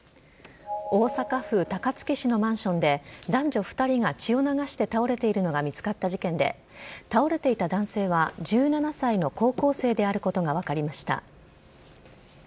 大阪府高槻市のマンションで、男女２人が血を流して倒れているのが見つかった事件で、倒れていた男性は１７歳の高校生であることが分かりました。